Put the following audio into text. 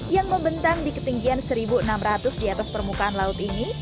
yang membentang di ketinggian seribu enam ratus di atas permukaan laut ini